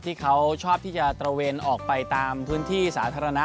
ที่เขาชอบที่จะตระเวนออกไปตามพื้นที่สาธารณะ